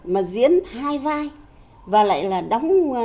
bây giờ thì nàng ông chặt lấy ta